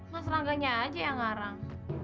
mas rangganya aja yang ngarang